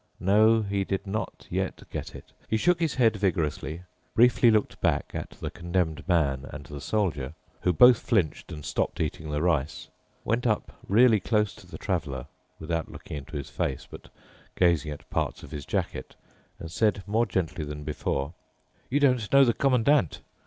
No, he did not yet get it. He shook his head vigorously, briefly looked back at the Condemned Man and the Soldier, who both flinched and stopped eating the rice, went up really close up to the Traveler, without looking into his face, but gazing at parts of his jacket, and said more gently than before: "You don't know the Commandant.